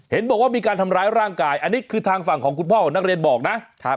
เห็นบอกว่ามีการทำร้ายร่างกายอันนี้คือทางฝั่งของคุณพ่อของนักเรียนบอกนะ